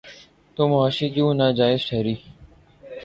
تو معاشی کیوں ناجائز ٹھہری؟